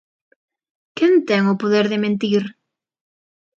Quen ten o poder de mentir?